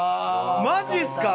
マジっすか？